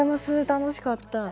楽しかった。